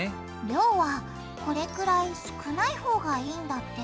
量はこれくらい少ない方がいいんだって。